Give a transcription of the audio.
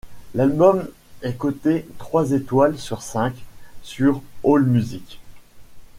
L'album est coté trois étoiles sur cinq sur AllMusic.